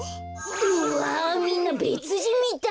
うわみんなべつじんみたい。